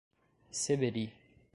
Seberi